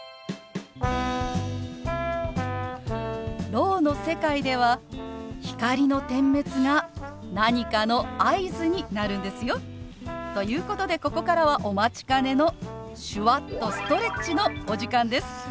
ろうの世界では光の点滅が何かの合図になるんですよ。ということでここからはお待ちかねの手話っとストレッチのお時間です！